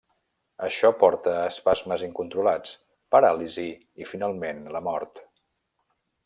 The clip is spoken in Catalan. Això porta a espasmes incontrolats, paràlisi, i finalment la mort.